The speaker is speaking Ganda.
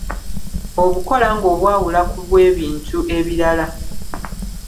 Obukola ng'obwawula ku bw'ebintu ebirala.